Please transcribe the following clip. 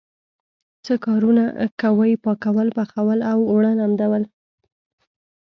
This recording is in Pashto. څه کارونه کوئ؟ پاکول، پخول او اوړه لمدول